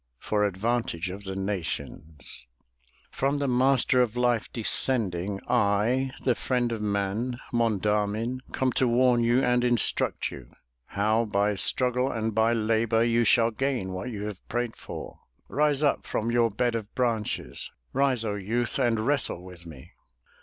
For advantage of the nations. "From the Master of Life descending, I, the friend of man, Mon da'min, Come to warn you and instruct you. How by struggle and by labor You shall gain what you have prayed fon Rise up from your bed of branches. Rise, O youth, and wrestle with me!"